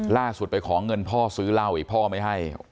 ล่าสุดไปขอเงินพ่อซื้อเหล้าอีกพ่อไม่ให้